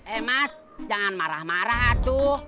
eh mas jangan marah marah tuh